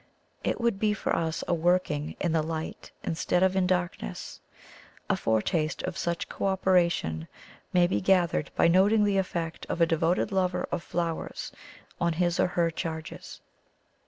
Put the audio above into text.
It would be for us a working in the light instead of in darkness. A foretaste of such co operation may be gathered by noting the effect of a devoted lover of flow ers on his or her charges.